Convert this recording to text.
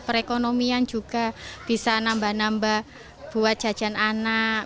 perekonomian juga bisa nambah nambah buat jajan anak